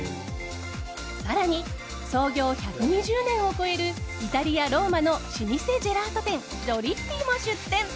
更に創業１２０年を超えるイタリア・ローマの老舗ジェラート店Ｇｉｏｌｉｔｔｉも出店。